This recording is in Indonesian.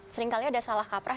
seringkali ada salah kaprah